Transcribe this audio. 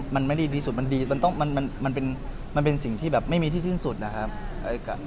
มันไม่ได้ดีสุดมันเป็นสิ่งที่แบบไม่มีที่สิ้นสุดนะครับ